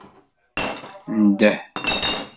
Ndeh.